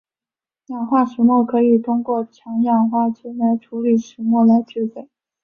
氧化石墨可以通过用强氧化剂来处理石墨来制备。